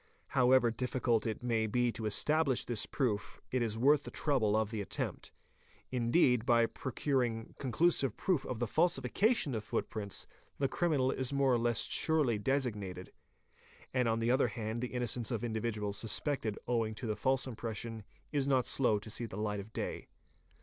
However diffi cult it may be to establish this proof, it 1s worth the trouble of the attempt. Indeed, by procuring conclusive proof of the falsification of footprints, the criminal is more or less surely designated ; and on the other hand the innocence of individuals suspected owing to the false impression is not slow to see the light of day.